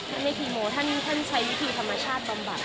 ท่านไม่คีโมค่ะท่านใช้วิธีธรรมชาติประวัติ